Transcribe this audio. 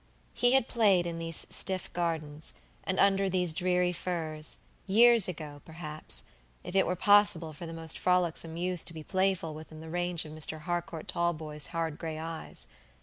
He had played in these stiff gardens, and under these dreary firs, years ago, perhapsif it were possible for the most frolicsome youth to be playful within the range of Mr. Harcourt Talboys' hard gray eyes.